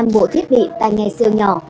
một mươi năm bộ thiết bị tai nghe siêu nhỏ